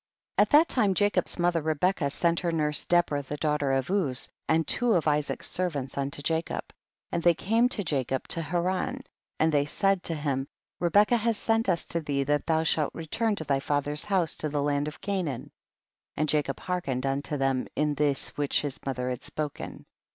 22. At that time Jacob's mother Rebecca sent her nurse Deborah the daughter of Uz, and two of Isaac's servants unto Jacob. 23. And they came to Jacob to Haran and they said unto him, Re becca has sent us to thee that thou shalt return to thy father's house to the land of Canaan ; and Jacob hearkened unto them in this wiiich his mother had spoken.